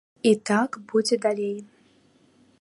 І так будзе далей.